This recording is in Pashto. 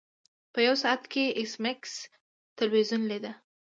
په یو ساعت کې ایس میکس تلویزیون لیده